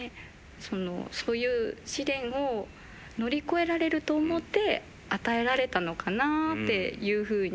そういう試練を乗り越えられると思って与えられたのかなあっていうふうに。